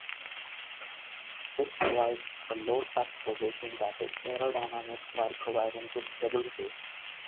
This provides a low tucked position that is aerodynamic while providing good stability.